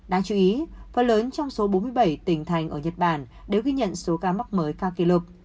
đáng chú ý phần lớn trong số bốn mươi bảy tỉnh thành ở nhật bản đều ghi nhận số ca mắc mới cao kỷ lục